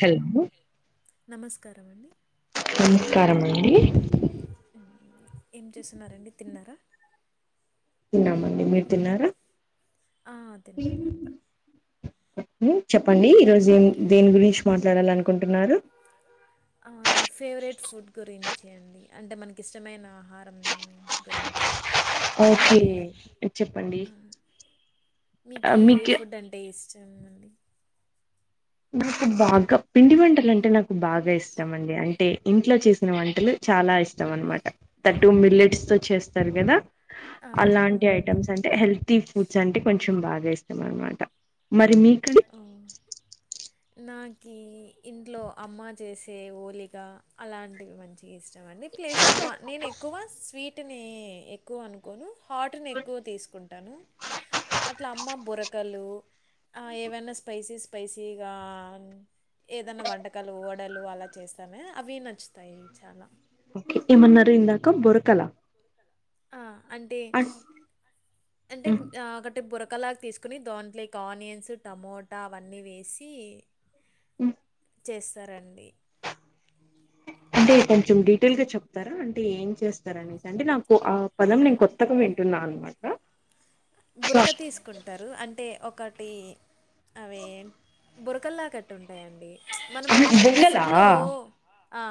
Hello నమస్కారం అండి. నమస్కారమండి. ఏం చేస్తున్నారండి, తిన్నారా? తిన్నామండి మీరు తిన్నారా? ఆ తిన్నమండి. చెప్పండి ఈరోజు ఏం దేని గురించి మాట్లాడాలనుకుంటున్నారు? ఆ, ఈ ఫేవరెట్ ఫుడ్ గురించి అండి అంటే మనక్ ఇష్టమైన ఆహారం గురించి ఓకే చెప్పండి మీకె చామండి నాకు బాగా పిండి వంటలంటే నాకు బాగా ఇష్టం అండి అం టే ఇంట్లో చేసిన వంటలు చాలా ఇష్టం అన్మాట తటూ మిల్లెట్స్తో చేస్తారు కదా ఆ, అలాంటి అవునండి ఐటమ్స్ అంటే హెల్తీ ఫుడ్స్ అంటే కొంచం బా గా ఇష్టం అన్మాట మరి మీ అవు నాకీ ఇంట్లో అమ్మ చేసే ఓలిగా అలాంటివి మంచిగ ఇష్ ఇష్టంమండి ప్లేస్ అమ్మ నేన్ ఎక్కువ స్వీట్నీ ఎక్కువ అనుకోను. హాట్ను ఎక్కువ తీస్కుంటాను అట్ల అమ్మ బురకలు ఆ ఏవైన స్పైసీ స్పైసీగాన్ ఏదన్న వంటకాలు వడలు అలా చేస్తానే అవి నచ్చుతాయి చాలా ఓకే ఏమన్నారు ఇందాక బొరకల ఆ అంటే అంటే ఉమ్, ఆ ఒకట్ బురకలాగ్ తీస్కొని దాంట్లోకి ఆనియన్స్ టమోటా అవన్నీ వేసీ మ్ చేస్తారండి. అంటే కొంచం డీటెయిల్గా చెప్తారా అంటే ఏం చేస్తారనేసి అంటే నాకు ఆ పదం నేను కొత్తగ విం టున్నా అన్మాట. బురక తీస్కుంటారు అంటే ఒకటీ అవి ఏన్ బురకల్లా కట్టుంటాయండి మనము ఆహా, ఫుడ్లో ఆ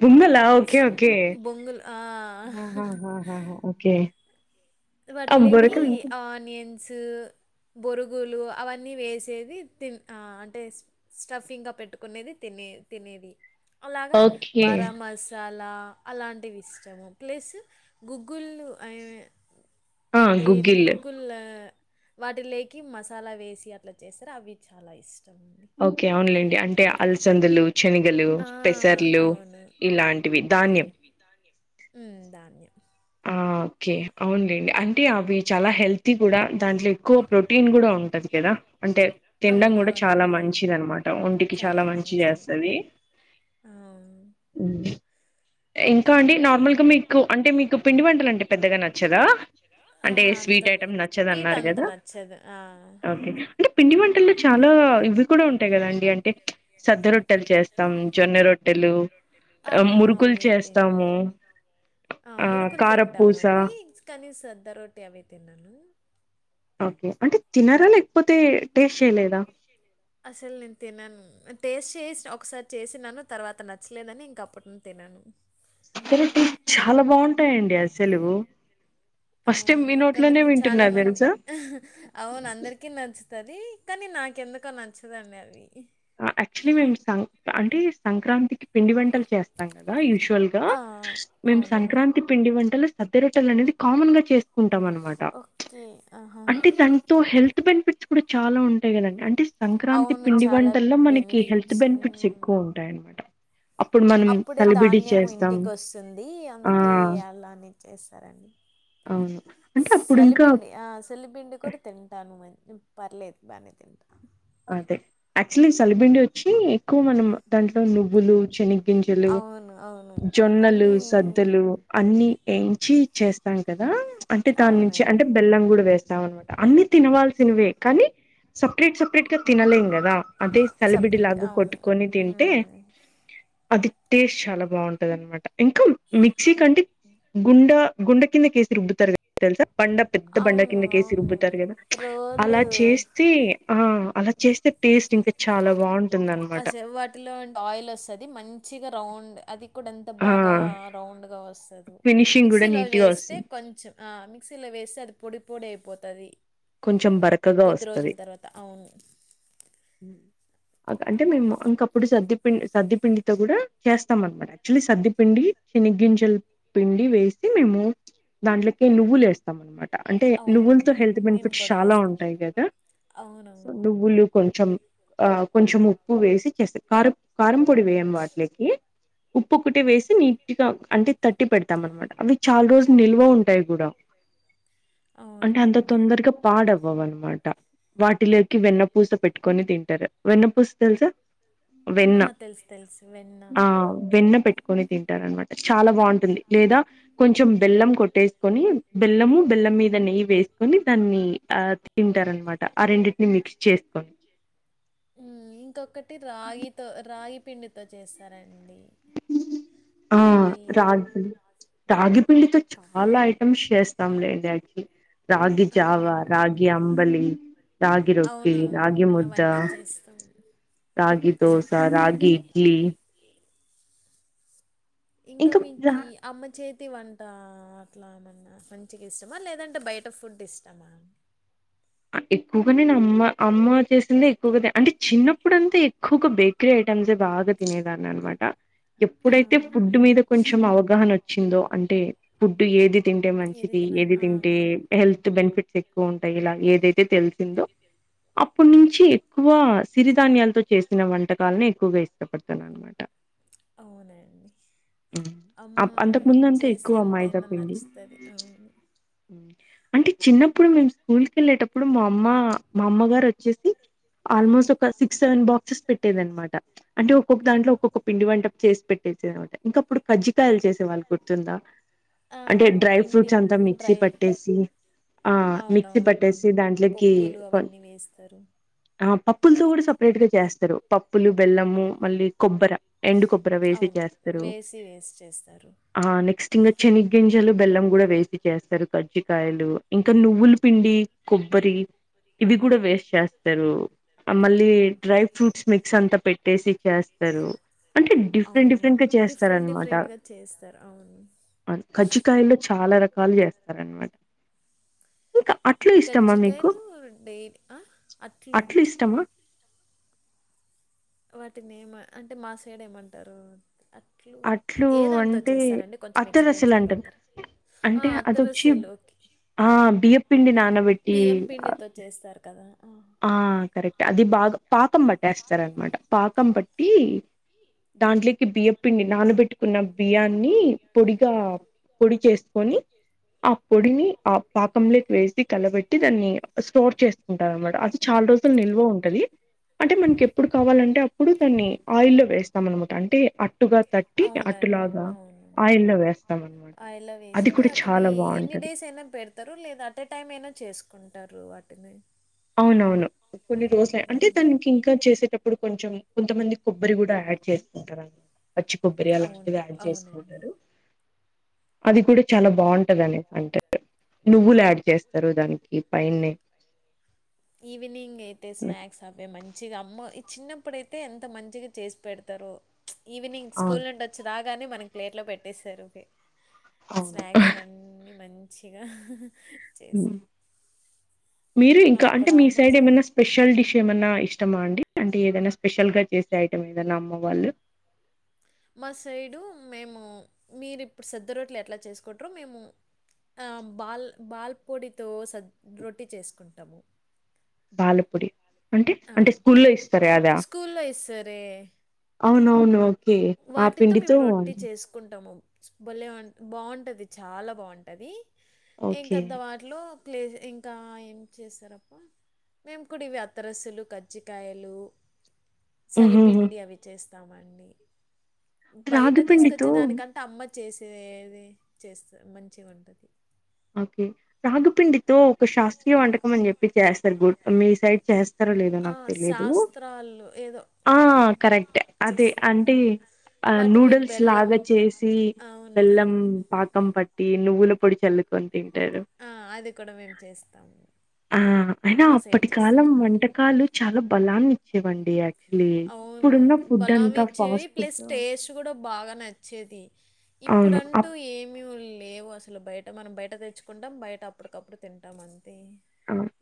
బుంగలా ఓకే ఓకే ఆ. ఆ ఆ ఓకే ఆ వాటిల్లేకి బొరకలు ఆనియన్స్ బొరుగులు అవన్నీ వేసేది తిన్ ఆ అంటే స్టఫింగ్గా పెట్టుకునేది తిన్ నే తినేది అలాగా ఓకే బరమసా లా అలాంటివి ఇష్టము ప్లస్ గుగ్గుల్లు అయే ఆ అంటే గుగ్గిల్ గుగ్గులా వాటిలేకి మసాలా వేసి అట్ల చేస్తార్ అవి చాలా ఇష్టం. కే అవున్లెండి అంటే అల్సందులు, శనగలు, ఆ! పెసర్లు అవును. ఇలాంటివి ధాన్యం మ్ ధాన్యా ఆ ఓకే అవున్లెండి అంటే అవి చాలా హెల్తీ కూడా దాంట్ల ఎక్కువ ప్రోటీన్ గుడా ఉంటది కదా అంటే తిండం కూడా చాలా అవునవునండి. మంచిది అన్నమాట ఒంటి కి చాలా మంచి చేస్తది. అ ఇంకా అండి నార్మల్గా మీకు అంటే మీకు పిండి వంటలంటే పెద్దగా నచ్చదా ఆ! అంటే అంత స్వీట్ ఐటెమ్ స్వీట్ నచ్చదన్నారు అంత కదా నచ్చదు. ఆ! ఓకే అంటే పిండి వంటల్లో చాలా ఇవి కూడా ఉంటాయి కదండి అంటే సజ్జ రొట్టెలు చస్ అ జొన్న రొట్టెలు మురుకులు చేస్తాము అ ఆహ్, మురుకులు కారపూస తింటామండి కనీ సద్ద రోట్టె అవి తినను ఓకే అంటే తినరా లేకపోతే టేస్ట్ చేయలేదా అసలు నేను తినన్ టేస్ట్ చేస్ ఒకసారి చేసినాను తర్వాత నచ్చలేదని ఇంక అప్పటి ను తి నను చాలా బాగుంటాయండి అసలు ఫస్ట్ టైం మీ నోట్లోనే కొందరికి వింటున్నా చాలా మంది తెలుసా అవును అందరికి నచ్ తది కానీ నాకెందుకొ నచ్చదండి అది యాక్చులీ మేమ్ సం అంటే సంక్రాంతికి పిండి వంటలు చేస్తాం కదా యూువల్ గా ఆ! మేము అవునండి. సంక్రాంతి పిండి వంటలు సద్దరొట్టెలు అనేది కామన్ గా చేసుకుంటాం అనమాట ఓకే. ఆహా! అంటే దానితో హెల్త్ బెనిఫిట్స్ కూడా చాలా ఉంటాయి కదండి అంటే సంక్రాంతి అవును. పిండి వం చాలా మనకి హెల్త్ బెనిఫిట్స్. బెనిఫిట్స్ హ్మ్. ఎక్కువ ఉంటాయ అప్పుడే ధాన్యము చేస్తాం ఇంటికి వస్తుంది ఆ అందుకే అలానే చేస్తారండి అవును అంటే అప్పుడు ఇంకా సలిపిండి. ఆ! సలిపిండి కూడా తింటాను పర్లేదు బానే తింటాను అదే యాక్చువలీ సలబిండి వచ్చి ఎక్కువ మనం దాంట్లో నువ్వులు శన గింజలు అవును. అవును. జొన్నలు అన్నీ సద్దలు అన్నిీ ఏంచి చేస్తాం కదా అంటే దాని నుంచి అంటే అవునండి. బెల్లం కూడా వేస్ నమాట అన్ని తినవల్సినవే కానీ సపరేట్ సపరేట్ గా తినలేం గదా అదే తలబిడి సెపరేట్‌గా లాగా అవును. కొట్టుకొని తింటే హ్మ్. అది టేస్ట్ చాలా బాగుంటది అనమాట ఇంకా మిక్సీ కంటే గుండ గుండ కింద కేసి రుబ్బుతారుగ తెల్సా బండ పెద్ద బండ అవును కిందకెసి అవును రుబ్బుతారు కదా రోలు అలా చేస్తే ఆ అలా చేస్తే టేస్ట్ ఇంకా చాలా బాగుంటుందనమాట ఆస వాటిలో ఆయిల్ వస్తది మంచిగా రౌండ్ అది ప్పుడంత ఆ బాగా రౌండ్గా వస్తది ఫినిషింగ్ కూడా మిక్సీలో నీట్గా వేస్తే వస్తుంది కొంచెం అ మిక్సీలో వేస్తె అది పొడి పొడి అయిపోతది కొంచెం బరకగా వస్తది అవును అంటే మేము ఇంకప్పుడు సద్దిపి సద్దిపిండితో కూడా చేస్తాం అనమాట యాక్చువల్లీ సద్దిపిండి శని గింజల్ పిండి వేసి మేము దాంట్లోకి నువ్వులెస్తాం అనమాట అంటే అవును నువ్వులతో హెల్త్ అవును. మేము బెనిఫిట్స్ కూడా చాలా వేస్తాం ఉంటాయి కదా సో అవునవును నువ్లు కొంచెం ఆ కొంచెం ఉప్పు వేసి చేస్తా కారం కారం పొడి వేయమ్ వాటిలకి ఉప్పు ఒకటే వేసి నీట్గా అంటే తట్టి పెడతాం అనమాట అవి చాలా రోజులు నిల్వ ఉంటాయి కూడా అంటే అంత అవునండి తొందరగా అవ్వవ అనమాట వాటిలోకి వెన్నపూస పెట్టుకొని తింటారు వెన్నపూస తెలుసా వెన్న ఆ, తెలుసు తెలుసు వెన్న ఆ వెన్న పెట్ట ని తింటారునమాట చాలా బాగుంటుంది లేదా కొంచెం బెల్లం కొట్టేసుకొని బెల్లము బెల్ ళ్ళం మీద నెయ్యి వేసుకొని దాన్ని ఆ తింటారునమాట ఆ రెండింటిని మిక్స్ చేసుకొని ఉం ఇంకొకటి రాగితో రాగి పిండితో చేస్తారండి ఆ అవి రాగి రాగి పిండితో చాలా ఐటమ్స్ చేస్తాంలేండి యాకి రాగి జావా అవును రాగి అంబలి రాగి రొట్టి అవునవును రాగి ముద్ద అవన్నీ చేస్తాం రాగి దోశ రాగి ఇడ్లీ ఇంకా మీకు అమ్మ చేత్ త్తి వంట అట్లా ఏమన్నా మంచిగా ఇష్టమా లేదంటే బయట ఫుడ్ ఇష్టమా ఎక్కువగా నేను అమ్మ అమ్మ చేసిందే ఎక్కువగా అంటే చిన్నప్పుడంతా ఎక్కువగా బేక్ క్రీ ఐటమ్సే బాగా తినేదాని అనమాట ఆ, ఎప్పుడైతే ఫుడ్ మీద కొంచెం అవగాహన వచ్చిందో అంటే ఫుడ్ ఏది తింటే మంచిది తిన ఏది ఆ, తింటే హెల్త్ బెనిఫిట్స్ ఎక్కువ ఉంటాయి ఇలా తే తెలిసిందో అప్పటి నుంచి ఎక్కువ సిరిధాన్యాలతో చేసిన వంటకాలని ఎక్కువగా ఇష్టపడతాననమాట అవునండి అమ్మ అంతకుముందు అంటే చేసి ఎక్కువ మైదా ఎంతైనా పిండి నచ్చుతుంది అంటే చిన్నప్పుడు మేము స్కూల్ కెళ్ళేటప్పుడు మా అమ్మ మా అమ్మ గారు వచ్చేసి ఆల్మోస్ట్ ఒక సిక్స్ సెవెన్ బాక్సెస్ పెట్టేదనమాట అంటే ఒక్కొక్క దాంట్లో ఒక పిండి వంటపు చేసి పెట్టేసి అనమాట ఇంకా అప్పుడు కజ్జికాయలు చేసే వాళ్ళు గుర్తుందా ఆ, అంటే డ్రై పిండి ఫ్రూట్స్ అంతా మిక్సీ డ్రై పట్టేసి ఆ మిక్సీ పట్టేస్ అవునవునండి సి దాంట్లోకి పప్పులు కొన్ అవన్నీ వేస్తారు ఆ పప్పులతో కూడా సెపరేట్ గా చేస్తారు పప్పులు బెల్లము మళ్ళీ కొబ్బర ఎండు కొబ్బరి వేసి అవును చేస్తరు వేసి వేస్ట్ చేస్తారు ఆ నెక్స్ట్ టింగ్ ఇంగ చనిగింజలు బెల్లం కూడా వేసి చేస్తారు కజ్జికయలు ఇంకా నువ్వుల పిండి కొబ్బరి ఇవి కూడా వేస్ చేస్తరు ఆ మళ్ళీ డ్రై ఫ్రూట్స్ మిక్స్ అంతా పెట్టేసి చేస్తారు అంటే డిఫరెంట్ అవును డిఫరెంట్ గా డిఫరెంట్ చేస్తారనమాట డిఫరెంట్ గా చేస్తారు అవ్ కజ్జికాయల్లో చాలా రకాలు చేస్తారనమాట ఇక అ గజ్జికాయలు డే అట్లు అంటే నేమ్ అంటే మా సైడ్ ఏమంటారు అట్లు అట్లు ఏ దాంతో అంటే చేస్తారండి కొంచెం ఎక్స్ప్లెయిన్ అత్తరసలు అంటారు చేయగలుగుతారా ఆ అంటే అత్తి అదొచ్చి రసాలు ఓకే ఆ బియ్యప్పిండి నాన బెట్టి బియ్యం పిండితో చేస్తారు కదా ఆ. అది బాగా పాకం పట్టేస్తారనమాట పాకం పట్టి దాంట్లోకి బియ్య పిండి నానబెట్టుకున్న బియ్యాన్ని పొడిగా పొడి చేసుకొని ఆ పొడిని ఆ పాకం లేకి వేసి కలబెట్టి దాన్ని స్టోర్ చేసుకుంటారన్నమాట అది చాలా రోజులు నిల్వ ఉంటుది అంటే మనకి ఎప్పుడు కావాలంటే అప్పుడు దాన్ని ఆయిల్లో వేస్తాం అనమాట అంటే అట్టుగా తట్టి అవునండి అట్టులాగా అవును ఆయిల్ల్లో వేస్తాం అనమాట ఆయిల్లో వేసి అది కూడా చాలా బాగుంటది లేదు అట్ ఎ టైమ్ ఐన చేసుకుంటారు వాటిని అవునవును కొన్ని రోజులు అంటే ఉమ్. తనకి ఇంకా చేసేటప్పుడు కొంచెం కొంతమంది కొబ్బరి కూడా యాడ్ చేస్తుంటారన్ పచ్చి కొబ్బరి అవును అలాంటివి యాడ్ అవునండి చేసుకుంటారు అది కూడా చాలా బాగుంటది అనేది అంటే నువ్వులు యాడ్ చేస్తారు దానికి పైన్నే ఈవినింగ్ అయితే హ్మ్. స్నాక్స్ అవే మంచిగా అమ్మ చిన్నప్పుడైతే ఎంత మంచిగా చేసి పెడతారు ఈవినింగ్ స్కూల్ అవును నుండి వచ్చే దా గానే మనకి ప్లేట్ లో పెట్టేస్తారుకే అవును. స్నాక్స్ అన్ని మం చిగా చేసి హ్మ్. మీరు ఇంకా నాకు అంటే కూడా మీ అమ్మ సైడ్ ఏమైన్నా స్పెషల్ డిష్ ఏమైన్నా ఇష్ ఇష్టమా అండి చే- అంటే ఏదైనా స్పెషల్ గా చేసే ఐటం ఏదన్నా అమ్మ వాళ్ళు మా సైడు మేము మీరు ఇప్పుడు సద్ద్ద రోట్లు ఎట్లా చేసుకుట్రో మేము బాల్ బాల్ పొడితో స రొట్టి చేసుకుంటాము బాలపొడి అంటే ఆ, అంటే స్కూల్లో ఇస్తారే అద స్కూల్లో ఇస్తారే అవునవును ఓకే ఆ పిండితో బల్లే ఉన్ బాగుంటది చాలా బాగుంటాది ఓకే. ఇంకద్ద వాటిలో క్లే ఇంకా ఏం చేస్తారప్ప మేము కుడ ఇవే అత్తరసులు కజ్జికాయలు హుహుహు. చలిపిండి అవి చేస్ బయట రాగి తీసుకొచ్చే పిండితో దాని కంటే అమ్మ చేసేది ఏది చేస్త మంచిగుంటుంది ఓకే రాగుపిండితో ఒక శాస్త్రీయ వంటకం అని చెప్పి చేస్తారు గుడ్ మీ సైడ్ చేస్ సరో లేదో ఆ, నాకు తెలిదు శాస్త్రాలు ఏదో ఆ కరెక్ట్ అదే చేస్ అంటే ఆ వాటిలోకి నూడిల్స్ బెల్లం లాగా చేసి అవును బెల్లం పా కం పట్టి నువ్వుల పొడి చల్ ఆ అది కూడ వే ఆ అయినా సైడ్ అప్పటి కాలం చేస్తారు వంటకాలు చాలా బలాన్ని ఇచ్చేవండి అవును బలాం ఇచ్చేవి ఫాస్ట్ ప్లస్ ఫుడ్. టేస్ట్ కూడా బాగా నచ్చేది అవును. ఇప్పుడంటూ ఏమి లేవు అస అసలు బయట మనం బయట తెచ్చుకుంటాం బయట అప్పటికప్పుడు తింటాం అంతే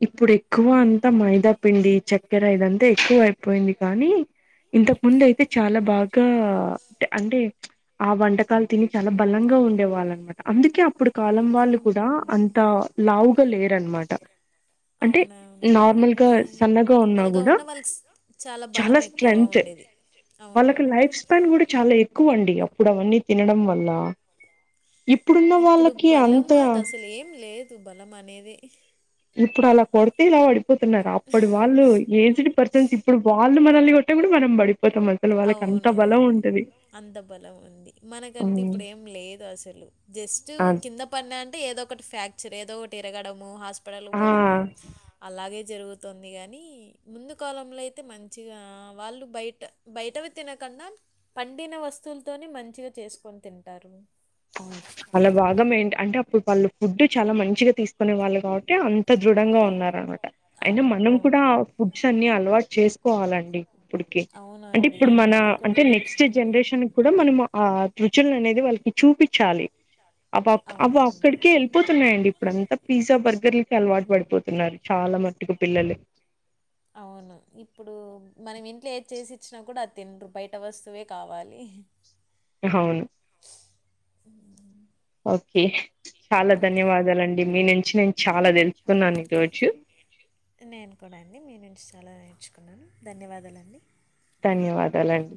ఇప్పుడు ఎక్కువ అంతా మైదాపిండి చె దగ్ర ఇదంతా ఎక్కువ అయిపోయింది కానీ ఇంతకు ముందు అయితే చాలా బాగా అంటే ఆ వంటకాలు తిని చాలా బలంగా ఉండేవాళ్ళనమాట అందుకే అప్పుడు కాలం వాళ్ళు అవును కూడా అంత లావుగా లేరనమాట ట అంటే నార్మల్గా సన్నగా ఉన్నా నార్మల్గా కూడా ఉన్న వాళ్ళకి స్- బలం చాలా ఎక్కువ స్ట్రెంత్ ఉండేది అవును వాళ్ళకి లైఫ్ స్పాన్ కూడా చాలా ఎక్కువ అండి అప్పుడు అవన్నీ తినడం వల్ల ఇప్పుడున్న ఇప్పుడు వాళ్ళకి బలం అంత మాకు అసలు ఏం లేదు బలం అనేది ఇప్పుడు అలా కొడితే ఇలా పడిపోతున్నారు అప్పుడు వాళ్ళు ఏజ్డ్ పర్సన్స్ ఇప్పుడు వాళ్ళు మనల్ని అంటే కూడా మనం పడి అసలు వాళ్ళకి అంత బలం అవునవును. ఉంటది అంత బలం ఉంది మనకంటే ఇప్పుడు ఏం లేదు అసలు జస్ట్ ఆ కింద పడిన అంటే ఏదో ఒకటి ఫ్రాక్చర్ ఏదో ఒకటి ఇరగడము హాస్పిటల్ ఆ పోవడము అలాగే జరుగుతుంది గాని ముందు కాలంలో అయితే మంచిగా వాళ్ళు బయట బయటవి తినకన్న పండిన వస్తువులతోని మంచిగా చేసుకొని తింటారు అలా భాగం ఏంటి అంటే అప్పుడు వాళ్ళు ఫుడ్డు చాలా మంచిగా తీసుకునే వాళ్ళు కాబట్టి అంత దృ ఢంగా ఉన్నరనమాట అయినా అవును. మనం కూడా అవునండి. ఫుడ్స్ అన్ని అలవాటు చేసుకోవాలండి ఇప్పుడుకి అంటే అవునండి. ఇప్పుడు మన అది కూడా అంటే నెక్స్ట్ నేర్చుకుంటే జనరేషన్ కూడా మనం ఆ రుచులనేది వాళ్ళు చూపించాలి అపాప్ అవునవును అవ్వక్కడికే ఎళ్ళిపోతున్నాయండి ఇప్పుడంతా పిజ్జా బర్గర్లు అలవాటు పడిపోతున్నారు చాలా మట్టుకు పిల్లలు మటుకు. అవును ఇప్పుడు మనం ఎన్ ఇట్లా ఏది చేసి ఇచ్చినా కూడా అది తినరు బయట వస్తువే కావాలి. హవును అ ఓకే చాలా ధన్యవాదాలండి మీ నుంచి నేను చాలా తెలుసు నేను కూడా అండి మీ నుంచి చాలా నేర్చు కున్నాను ధన్యవాదాలండి ధన్యవాదాలన్